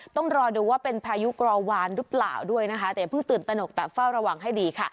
ต้องรอดูว่าเป็นพายุกรอวานหรือเปล่าด้วยนะคะแต่อย่าเพิ่งตื่นตนกแต่เฝ้าระวังให้ดีค่ะ